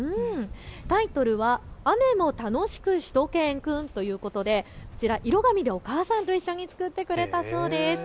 タイトルは、雨も楽しくしゅと犬くんということで色紙でお母さんと一緒に作ってくれたそうです。